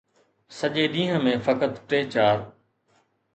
سڄي ڏينهن ۾ فقط ٽي چار.